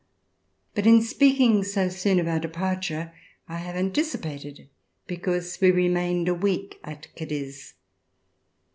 But in speaking so soon of our departure, I have anticipated, because we remained a week at Cadiz.